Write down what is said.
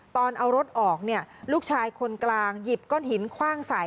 ตอนเอารถออกลูกชายคนกลางหยิบก้อนหินควางสาย